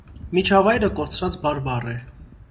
Միջավայրը կորցրած բարբառ է։